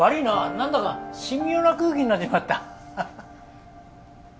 なんだか神妙な空気になっちまった。